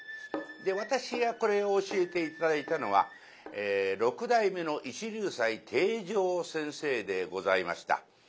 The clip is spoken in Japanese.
私がこれを教えて頂いたのは六代目の一龍斎貞丈先生でございました。